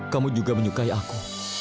kamu juga menyukai aku